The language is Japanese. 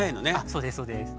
そうですそうです。